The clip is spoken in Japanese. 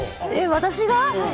私が？